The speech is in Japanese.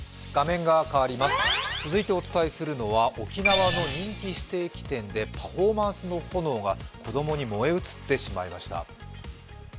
続いてお伝えするのは沖縄の人気ステーキ店でパフォーマンスの炎が子供に燃え移ってしまいました。